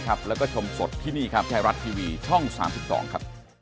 กฎแห่งกรรมที่ทำเสมอนะพี่หูย